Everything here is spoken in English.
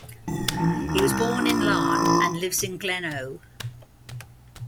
He was born in Larne, and lives in Glenoe.